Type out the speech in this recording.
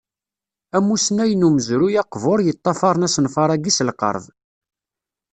Amusnaw n umezruy aqbur yeṭṭafaṛen asenfar-agi s lqerb.